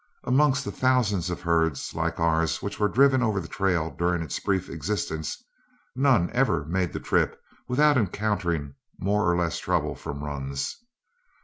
Amongst the thousands of herds like ours which were driven over the trail during its brief existence, none ever made the trip without encountering more or less trouble from runs.